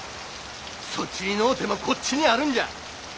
そっちにのうてもこっちにあるんじゃ。